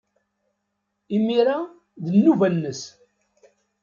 Imir-a, d nnuba-nnes.